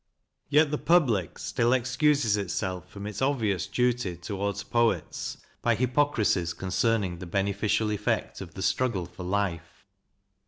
Yet the public still excuses itself from its obvious duty towards poets by hypocrisies concerning the bene ficial effect of the struggle for life.